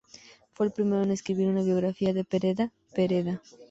Fue el primero en escribir una biografía de Pereda: "Pereda.